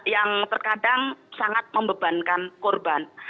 yang terkadang sangat membebankan korban